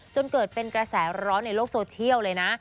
จนเกิดเป็นกระแสร้อนในโลกโซเชียลเลยนะ